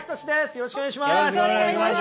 よろしくお願いします。